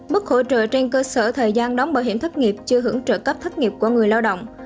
mức hỗ trợ trên cơ sở thời gian đóng bảo hiểm thất nghiệp chưa hưởng trợ cấp thất nghiệp của người lao động